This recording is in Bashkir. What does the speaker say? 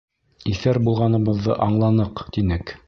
Иҫәр булғаныбыҙҙы аңланыҡ, тинек.